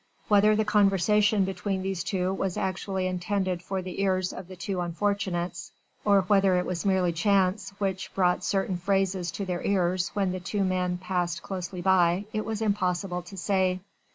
Whether the conversation between these two was actually intended for the ears of the two unfortunates, or whether it was merely chance which brought certain phrases to their ears when the two men passed closely by, it were impossible to say.